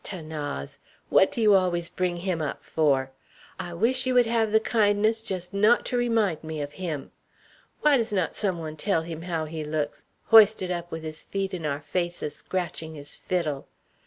'Thanase! What do you always bring him up for? I wish you would have the kindness just not to remind me of him! Why does not some one tell him how he looks, hoisted up with his feet in our faces, scratching his fiddle?